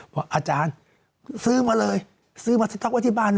อาจารย์ซื้อมาเลยซื้อมาสต๊อกไว้ที่บ้าน